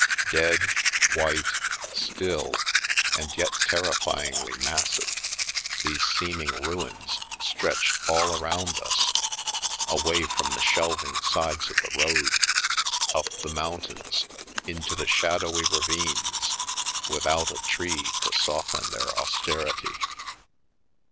Dead, white, still, and yet terrify ingly massive, these seeming ruins stretched all around us, away from the shelving sides of the road, up the mountains, into the shadowy ravines, without a tree to soften their austerity.